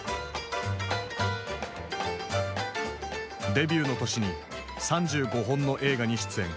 デビューの年に３５本の映画に出演。